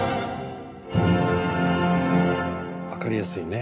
分かりやすいね。